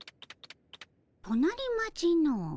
隣町のう。